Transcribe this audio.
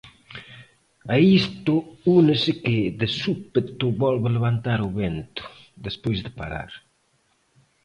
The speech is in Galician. A isto únese que "de súpeto volve levantar o vento" despois de parar.